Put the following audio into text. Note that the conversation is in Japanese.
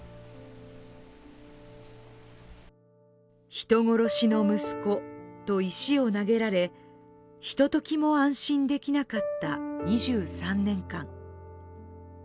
人殺しの息子と石を投げられひとときも安心できなかった２３年間。